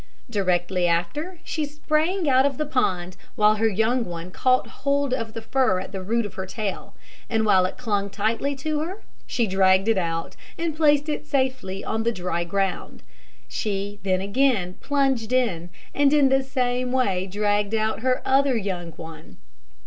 Directly after, she sprang out of the pond, while her young one caught hold of the fur at the root of her tail; and while it clung tightly to her, she dragged it out, and placed it safely on the dry ground. She then again plunged in, and in the same way dragged out her other young one.